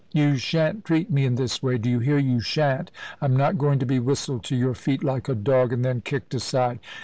"You shan't treat me in this way do you hear, you shan't. I'm not going to be whistled to your feet like a dog and then kicked aside.